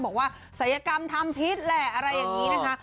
ศัยกรรมทำพิษแหละอะไรอย่างนี้นะคะ